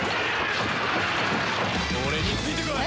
俺についてこい！